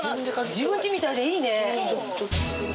自分ちみたいでいいね。